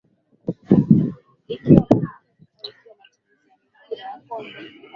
tume iliyobuniwa kuchunguza kifo cha aliyekuwa waziri mkuu wa lebanon rafik hariri